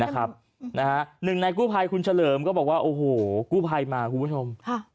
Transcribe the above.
หนึ่งในกู้ภัยคุณเฉลิมก็บอกว่าโอ้โหกู้ภัยมาคุณผู้ชม